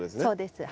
そうです。